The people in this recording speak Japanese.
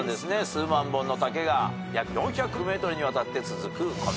数万本の竹が約４００ｍにわたって続く小道と。